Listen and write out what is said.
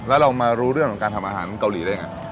แล้วเรามารู้เรื่องของการทำอาหารเกาหลีได้ไง